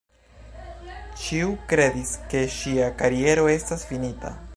Ĉiu kredis, ke ŝia kariero estas finita.